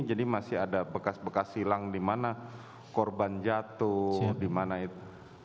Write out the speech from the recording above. jadi masih ada bekas bekas silang di mana korban jatuh di mana itu